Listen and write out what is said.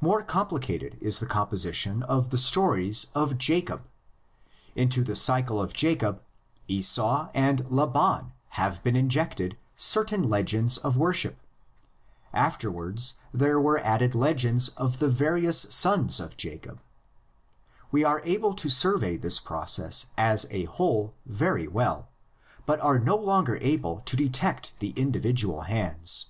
More complicated is the composition of the stories of Jacob: into the cycle of Jacob, Esau and Laban have been injected certain legends of worship; afterwards there were added legends of the various sons of Jacob; we are able to survey this process as a whole very well, but are no longer able to detect the individual hands.